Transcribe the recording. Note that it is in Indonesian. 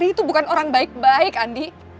itu bukan orang baik baik andi